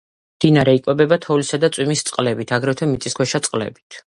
მდინარე იკვებება თოვლისა და წვიმის წყლებით, აგრეთვე მიწისქვეშა წყლებით.